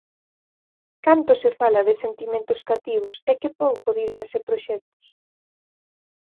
Canto se fala de sentimentos cativos e que pouco de ideas e proxectos!